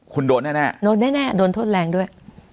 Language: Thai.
คุณโดนแน่โดนแน่โดนโทษแรงด้วย